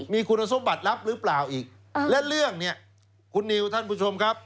มีคุณสมบัติลับหรือเปล่าอีกและเรื่องเนี่ยคุณนิวท่านผู้ชมครับ